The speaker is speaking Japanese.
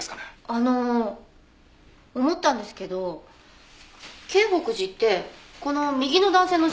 あの思ったんですけど京北寺ってこの右の男性の実家なんですよね？